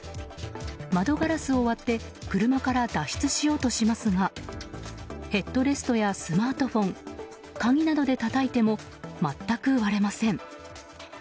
窓ガラスを割って車から脱出しようとしますがヘッドレストやスマートフォン鍵などでたたいても全く割れません。